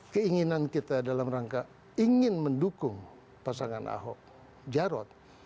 keinginan kita dalam rangka ingin mendukung pasangan ahok jarot